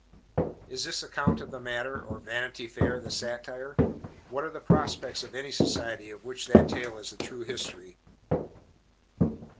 Is this account of the matter, or Vanity Fair, the satire? What are the prospects of any society of which that tale is the true history?